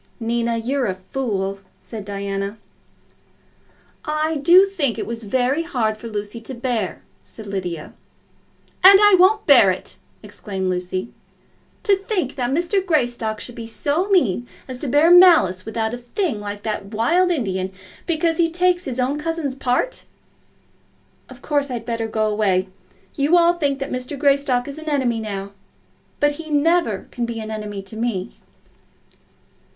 "Nina, you're a fool," said Diana. "I do think it was very hard for Lucy to bear," said Lydia. "And I won't bear it!" exclaimed Lucy. "To think that Mr. Greystock should be so mean as to bear malice about a thing like that wild Indian because he takes his own cousin's part! Of course I'd better go away. You all think that Mr. Greystock is an enemy now; but he never can be an enemy to me."